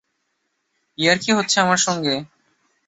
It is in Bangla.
ইয়ার্কি হচ্ছে আমার সঙ্গে?